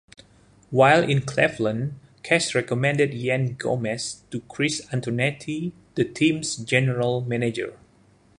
While in Cleveland, Cash recommended Yan Gomes to Chris Antonetti, the team's general manager.